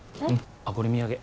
あっこれ土産。